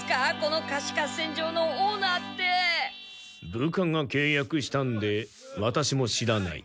部下が契約したんでワタシも知らない。